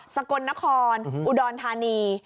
กลนครอุดรธานี